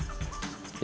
kami segera kembali